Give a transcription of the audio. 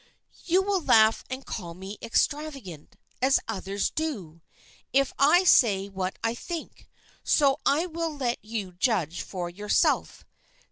"You will laugh and call me extravagant, as others do, if I say what I think; so I will let you judge for yourself.